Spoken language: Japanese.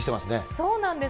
そうなんです。